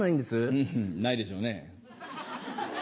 うんないでしょうね。